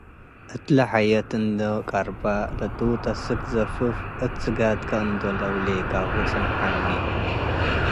እት ለሐየት እንዶ ቀርበ፤ “ለጡጥ አስክ ዘፍ'ፍ እት ስጋድካ እንዶ ለውሌካሁ ጽንሐኒ።